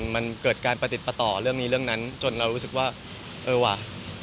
มันเกิดการประติดประต่อเรื่องนี้เรื่องนั้นจนเรารู้สึกว่าเออว่ะ